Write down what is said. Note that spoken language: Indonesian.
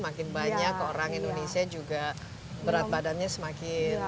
makin banyak orang indonesia juga berat badannya semakin